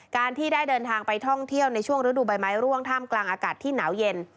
การที่ได้เดินทางไปท่องเที่ยวในช่วงฤดูใบไม้ร่วงท่ามกลางอากาศที่หนาวเย็น